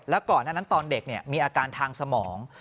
แล้วก่อนนั้นตอนเด็กมีอาการทางสมอง